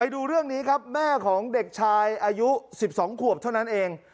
ดูเรื่องนี้ครับแม่ของเด็กชายอายุ๑๒ขวบเท่านั้นเอง